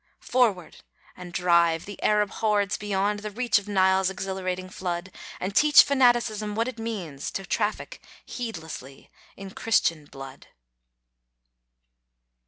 Forward; and drive the Arab hordes beyond The reach of Nile's exhilarating flood, And teach fanaticism what it means To traffic heedlessly in Christian blood.